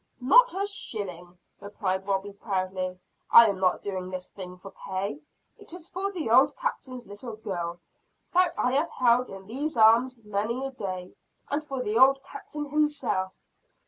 "Not a shilling!" replied Robie proudly. "I am not doing this thing for pay. It is for the old Captain's little girl, that I have held in these arms many a day and for the old Captain himself.